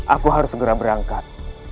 aku harus segera berangkat